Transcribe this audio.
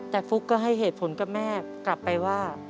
แต่ฟุ๊กก็ให้เหตุผลกับแม่กลับไปว่า